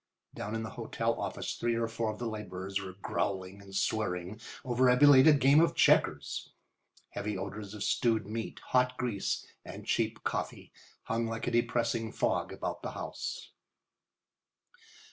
Down in the hotel office three or four of the labourers were growling and swearing over a belated game of checkers. Heavy odours of stewed meat, hot grease, and cheap coffee hung like a depressing fog about the house.